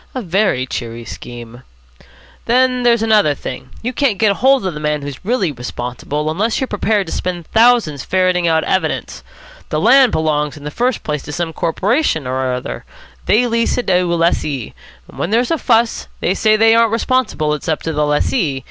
"A very cheery scheme." "Then there's another thing. You can't get hold of the man who's really responsible, unless you're prepared to spend thousands ferreting out evidence. The land belongs in the first place to some corporation or other. They lease it to a lessee. When there's a fuss, they say they aren't responsible, it's up to the lessee.